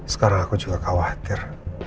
sekarang aku juga khawatir